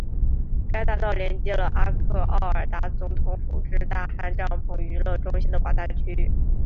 该大道连接了阿克奥尔达总统府至大汗帐篷娱乐中心的广大区域。